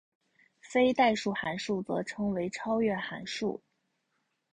非代数函数则称为超越函数。